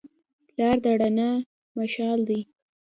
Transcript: پلار د رڼا مشعل دی.